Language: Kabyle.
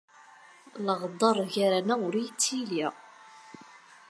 Leɣder gar-aneɣ ur yettili.